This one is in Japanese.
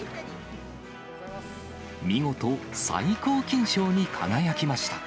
見事、最高金賞に輝きました。